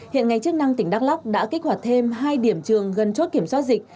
hiện ngành chức năng tỉnh đắk lóc đã kích hoạt thêm hai điểm trường gần chốt kiểm soát dịch